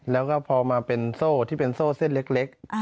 แล้วก็พอมาเป็นโซ่ที่เป็นโซ่เส้นเล็ก